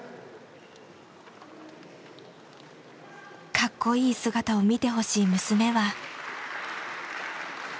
かっこいい姿を見てほしい娘は。